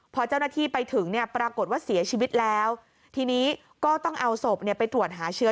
พอเจ้าหน้าที่ไปถึงเนี่ยปรากฏว่าเสียชีวิตแล้วทีนี้ก็ต้องเอาศพไปตรวจหาเชื้อ